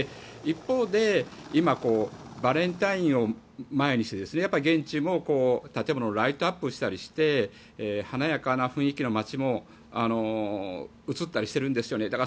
一方で今、バレンタインを前にしてやっぱり現地も建物をライトアップしたりして華やかな雰囲気の街も映ったりしてるんですよね。